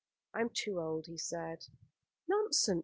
"I am too old," he said. "Nonsense.